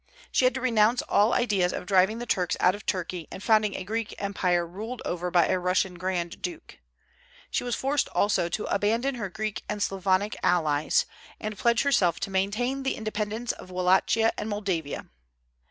She had to renounce all idea of driving the Turks out of Turkey and founding a Greek empire ruled over by a Russian grand duke. She was forced also to abandon her Greek and Slavonic allies, and pledge herself to maintain the independence of Wallachia and Moldavia.